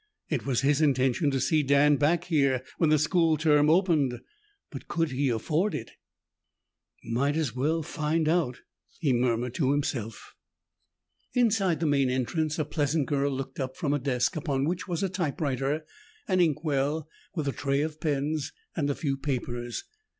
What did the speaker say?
It was his intention to see Dan back here when the school term opened. But could he afford it? "Might as well find out," he murmured to himself. Inside the main entrance, a pleasant girl looked up from a desk upon which was a typewriter, an inkwell with a tray of pens and a few papers.